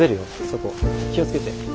そこ気を付けて。